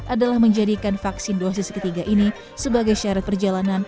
adalah menjadikan vaksin dosis ketiga ini sebagai syarat perjalanan